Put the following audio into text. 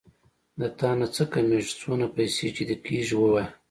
د تانه څه کمېږي څونه پيسې چې دې کېږي ووايه.